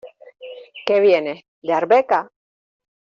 Que vienes ¿de Arbeca?